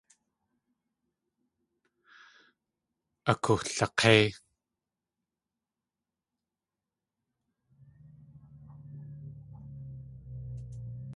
Akulik̲éi.